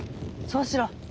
そうしろ。